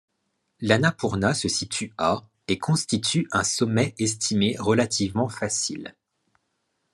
L’Annapurna se situe à et constitue un sommet estimé relativement facile.